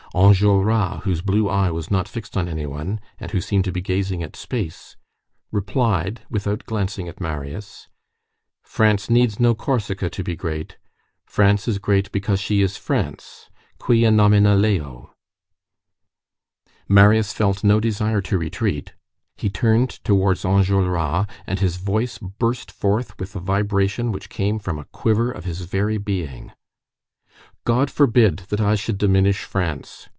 Enjolras, whose blue eye was not fixed on any one, and who seemed to be gazing at space, replied, without glancing at Marius:— "France needs no Corsica to be great. France is great because she is France. Quia nomina leo." Marius felt no desire to retreat; he turned towards Enjolras, and his voice burst forth with a vibration which came from a quiver of his very being:— "God forbid that I should diminish France!